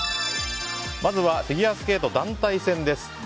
まずはフィギュアスケート団体戦です。